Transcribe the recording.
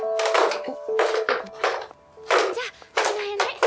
じゃあこの辺で。